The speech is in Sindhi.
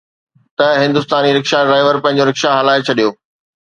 ته هندستاني رڪشا ڊرائيور پنهنجو رڪشا هلائي ڇڏيو